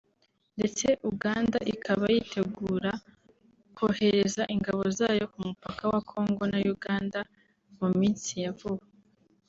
ndetse uganda ikaba yitegura kohereza ingabo zayo ku mupaka wa Congo na Uganda mu minsi ya vuba